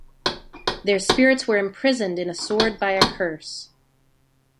Their spirits were imprisoned in a sword by a curse.